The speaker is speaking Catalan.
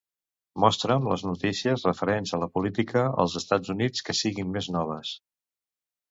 Mostra'm les notícies referents a la política als Estats Units que siguin més noves.